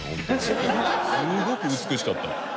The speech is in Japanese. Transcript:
すごく美しかった。